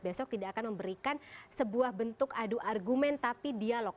besok tidak akan memberikan sebuah bentuk adu argumen tapi dialog